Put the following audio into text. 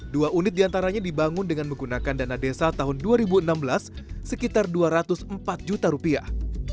dua unit diantaranya dibangun dengan menggunakan dana desa tahun dua ribu enam belas sekitar dua ratus empat juta rupiah